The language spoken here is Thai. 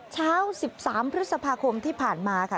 เช้า๑๓พฤษภาคมที่ผ่านมาค่ะ